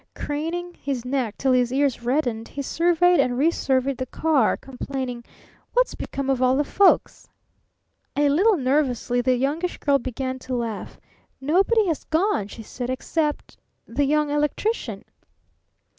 Craning his neck till his ears reddened, he surveyed and resurveyed the car, complaining: "What's become of all the folks?" A little nervously the Youngish Girl began to laugh. "Nobody has gone," she said, "except the Young Electrician."